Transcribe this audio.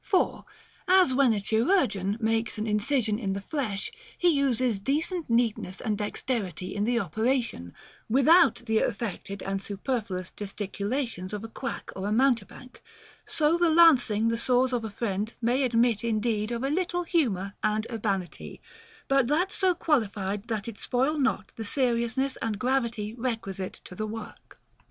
For, as when a chirurgeon makes an incision in the flesh he uses decent neatness and dexterity in the operation, with out the affected and superfluous gesticulations of a quack or mountebank, so the lancing the sores of a friend may admit indeed of a little humor and urbanity, but that so qualified that it spoil not the seriousness and gravity requis ite to the work.